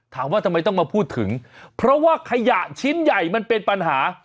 ถามว่าทำไมต้องมาพูดถึงเพราะว่าขยะชิ้นใหญ่มันเป็นปัญหา